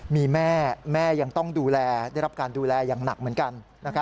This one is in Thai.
มีแม่แม่ยังต้องดูแลได้รับการดูแลอย่างหนักเหมือนกัน